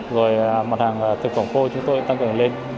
rồi mặt hàng thực phẩm khô chúng tôi tăng cường lên